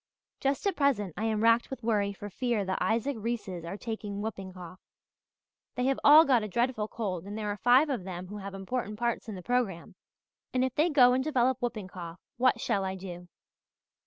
Just at present I am racked with worry for fear the Isaac Reeses are taking whooping cough. They have all got a dreadful cold and there are five of them who have important parts in the programme and if they go and develop whooping cough what shall I do?